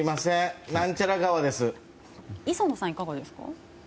磯野さん、いかがですか？